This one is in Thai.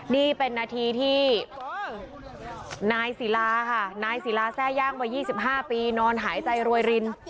ชาตรีนอนหายใจรวยริน